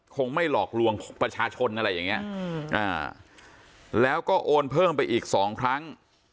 คงไม่หลอกลวงประชาชนอะไรอย่างนี้แล้วก็โอนเพิ่มไปอีกสองครั้ง